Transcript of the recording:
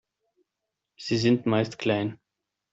Sie sind meist klein.